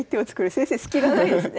先生スキがないですね。